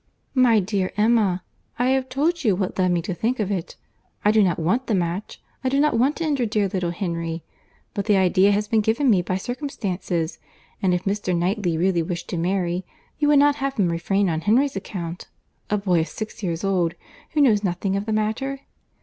"My dear Emma, I have told you what led me to think of it. I do not want the match—I do not want to injure dear little Henry—but the idea has been given me by circumstances; and if Mr. Knightley really wished to marry, you would not have him refrain on Henry's account, a boy of six years old, who knows nothing of the matter?"